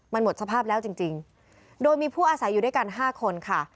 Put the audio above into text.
มันหมดสภาพแล้วจริงจริงโดยมีผู้อาศัยอยู่ด้วยกัน๕คนค่ะ